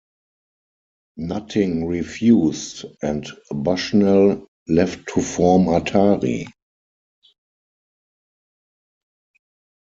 Nutting refused, and Bushnell left to form Atari.